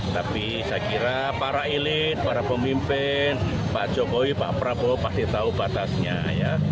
tapi saya kira para elit para pemimpin pak jokowi pak prabowo pasti tahu batasnya ya